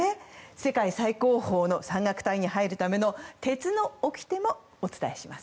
世界最高峰の山岳隊に入るための鉄のおきてもお伝えします。